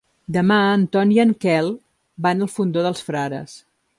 Demà en Ton i en Quel van al Fondó dels Frares.